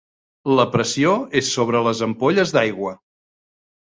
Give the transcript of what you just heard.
La pressió és sobre les ampolles d'aigua.